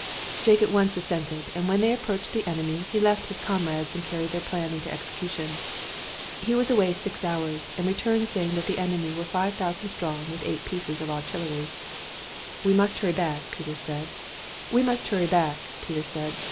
Jake at once assented, and when they approached the enemy he left his comrades and carried their plan into execution. He was away six hours, and returned saying that the enemy were 5000 strong, with eight pieces of artillery. "We must hurry back," Peter said.